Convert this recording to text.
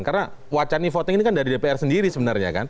karena wacana e voting ini kan dari dpr sendiri sebenarnya kan